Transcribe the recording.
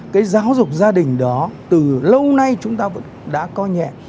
cái giáo dục gia đình đó từ lâu nay chúng ta vẫn đã coi nhẹ